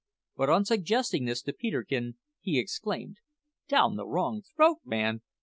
But on suggesting this to Peterkin, he exclaimed: "Down the wrong throat, man!